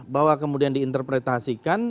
bahwa kemudian diinterpretasikan